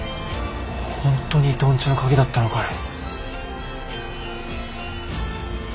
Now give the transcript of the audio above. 本当に伊藤んちの鍵だったのかよ。